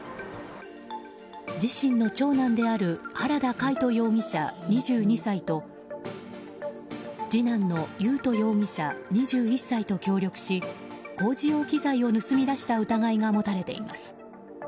自身の長男である原田魁斗容疑者、２２歳と次男の優斗容疑者２１歳と協力し工事用機材を盗み出した疑いが持たれています。